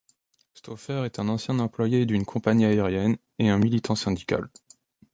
Stoffer est un ancien employé d'une compagnie aérienne et militant syndical.